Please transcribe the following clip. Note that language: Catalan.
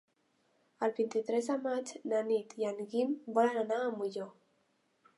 El vint-i-tres de maig na Nit i en Guim volen anar a Molló.